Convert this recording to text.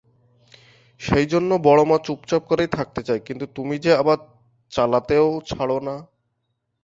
সেইজন্যেই বড়োমা চুপচাপ করে থাকতেই চাই, কিন্তু তুমি যে আবার চালাতেও ছাড় না।